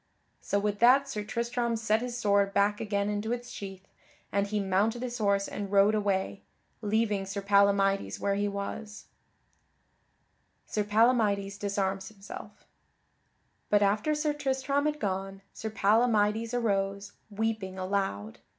So with that Sir Tristram set his sword back again into its sheath, and he mounted his horse and rode away, leaving Sir Palamydes where he was. [Sidenote: Sir Palamydes disarms himself] But after Sir Tristram had gone, Sir Palamydes arose, weeping aloud.